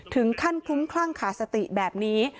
ถึงขั้นคลุ้มคลั่งขาดสติแบบนี้